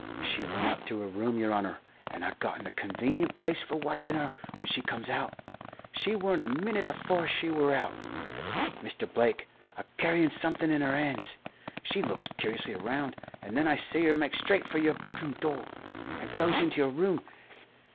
She went up to her room, yer honour, and I got in a convenient place for watchin' her when she comes out. She weren't a minnit afore she wur out, Mr. Blake, a carryin' somethin' in her hands. She looks curiously 'round, and then I see her make straight for your bedroom door, and goes into your room.